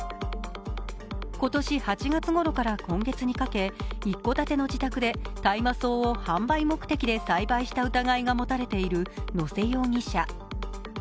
今年８月ごろから今月にかけ一戸建ての自宅で大麻草を販売目的で栽培した疑いが持たれている野瀬容疑者。